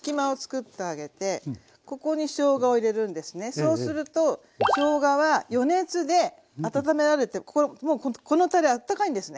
そうするとしょうがは余熱であたためられてこのこのたれあったかいんですね。